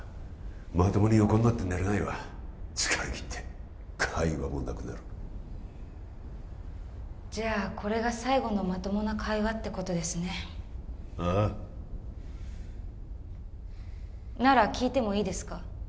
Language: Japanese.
まともに横になって寝れないわ疲れきって会話もなくなるじゃこれが最後のまともな会話ってことですねああなら聞いてもいいですか？